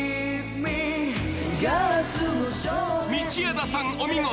道枝さん、お見事。